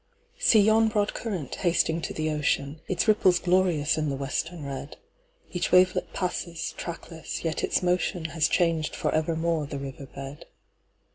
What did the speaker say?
See you broad current, hasting to the ocean, Its ripples glorious in the western red:Each wavelet passes, trackless; yet its motionHas changed for evermore the river bed.